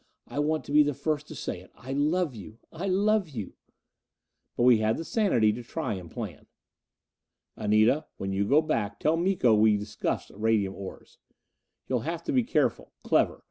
I want to be the first to say it: I love you I love you." But we had the sanity to try and plan. "Anita, when you go back, tell Miko we discussed radium ores. You'll have to be careful, clever.